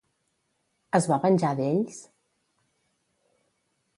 Es va venjar d'ells?